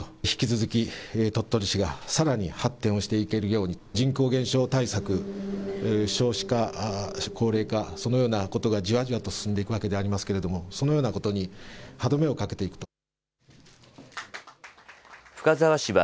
引き続き鳥取市がさらに発展をしていけるように人口減少対策、少子化、高齢化、そのようなことがじわじわと進んでいくわけでありますけれどもそのようなことに歯止めをかけていくと。